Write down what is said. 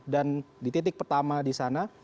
dan di titik pertama di sana